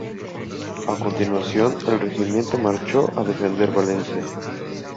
A continuación el regimiento marchó a defender Valencia.